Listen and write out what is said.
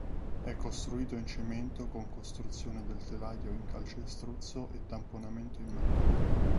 È costruito in cemento con costruzione del telaio in calcestruzzo e tamponamento in mattoni.